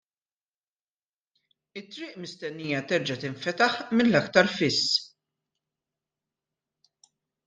It-triq mistennija terġa' tinfetaħ mill-aktar fis.